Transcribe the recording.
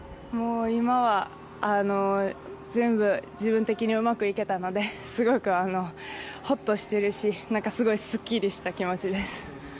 今は自分的に全部うまくいけたのですごくホッとしているしすごいすっきりした気持ちです。